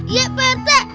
iya pak rt